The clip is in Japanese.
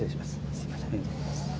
すいません。